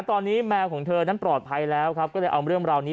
ตอนนี้แมวของเธอนั้นปลอดภัยแล้วครับก็เลยเอาเรื่องราวนี้